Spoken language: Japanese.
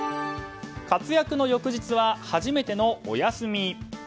活躍の翌日は初めてのお休み。